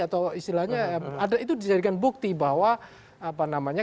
atau istilahnya itu dijadikan bukti bahwa apa namanya